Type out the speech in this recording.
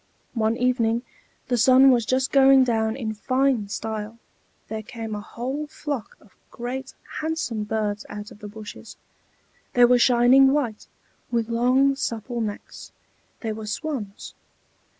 One evening the sun was just going down in fine style there came a whole flock of great handsome birds out of the bushes; they were shining white, with long, supple necks; they were swans.